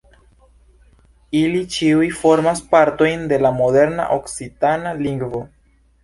Ili ĉiuj formas partojn de la moderna okcitana lingvo.